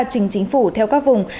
chính chính phủ theo các vùng